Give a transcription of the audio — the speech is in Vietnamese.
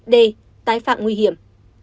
d tái phạm nguy hiểm